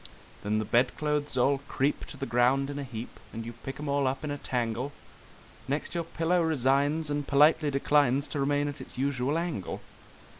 Then the bedclothes all creep to the ground in a heap, and you pick 'em all up in a tangle; Next your pillow resigns and politely declines to remain at its usual angle!